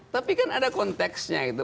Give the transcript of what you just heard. tapi kan ada konteksnya gitu